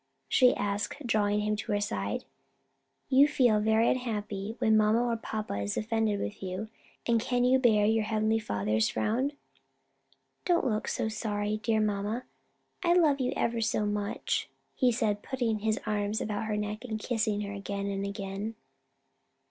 she asked, drawing him to her side. "You feel very unhappy when papa or mamma is offended with you, and can you bear your heavenly Father's frown?" "Don't look so sorry, dear mamma: I love you ever so much," he said, putting his arms about her neck and kissing her again and again.